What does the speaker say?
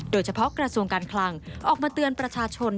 กระทรวงการคลังออกมาเตือนประชาชน